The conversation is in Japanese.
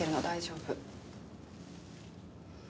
大丈夫。